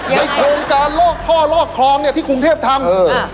ในโครงการลอกทอลอกครองที่ภูมีที่คุณเทพฯทำ